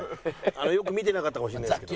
よく見てなかったかもしれないですけど。